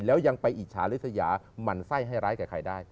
แล้วยังไปอิจฉาฤษยาหมั่นไส้ให้ร้ายใกล้ได้